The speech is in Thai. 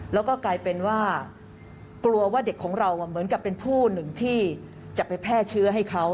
และก็กลัวว่าเด็กของเราจะเป็นผู้หนึ่งที่จะไปแพทย์เชื้อให้เขา